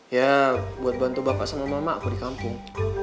ya buat bantu bapak sama mama aku di kampung